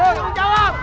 kalian harus menjawab